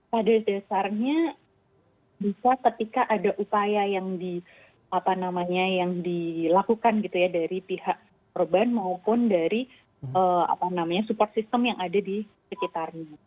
pada dasarnya bisa ketika ada upaya yang di apa namanya yang dilakukan gitu ya dari pihak korban maupun dari apa namanya support system yang ada di sekitarnya